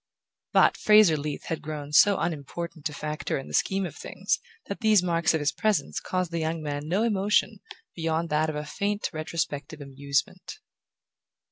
But Fraser Leath had grown so unimportant a factor in the scheme of things that these marks of his presence caused the young man no emotion beyond that of a faint retrospective amusement.